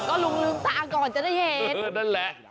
ก็ลุงลืมตาก่อนจะได้เห็นเออนั่นแหละ